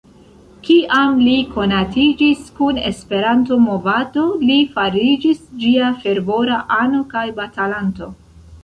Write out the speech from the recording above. Kiam li konatiĝis kun Esperanto-movado, li fariĝis ĝia fervora ano kaj batalanto.